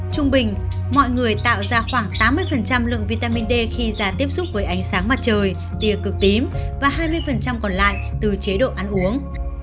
trung bình mọi người tạo ra khoảng tám mươi lượng vitamin d khi ra tiếp xúc với ánh sáng mặt trời tìa cực tím và hai mươi còn lại từ chế độ ăn uống